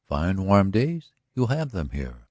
Fine warm days? You have them here.